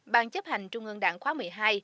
ban chấp hành trung ương đảng khóa một mươi hai